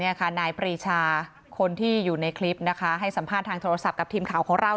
นี่ค่ะนายปรีชาคนที่อยู่ในคลิปนะคะให้สัมภาษณ์ทางโทรศัพท์กับทีมข่าวของเรา